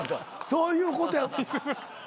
そういうことや。